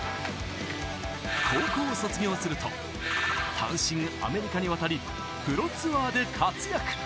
高校を卒業すると、単身アメリカに渡り、プロツアーで活躍。